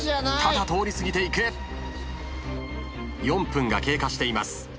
４分が経過しています。